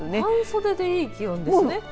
半袖でいい気温ですね。